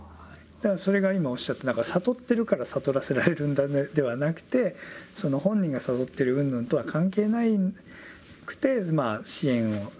だからそれが今おっしゃった悟ってるから悟らせられるんだではなくてその本人が悟ってるうんぬんとは関係なくてまあ支援を。